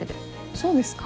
そうですか？